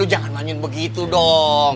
lo jangan nanyun begitu dong